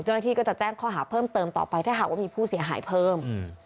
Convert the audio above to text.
เจ้าหน้าที่ก็จะแจ้งข้อหาเพิ่มเติมต่อไปถ้าหากว่ามีผู้เสียหายเพิ่ม